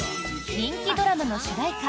人気ドラマの主題歌。